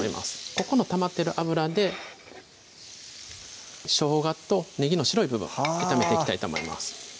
ここのたまってる油でしょうがとねぎの白い部分炒めていきたいと思います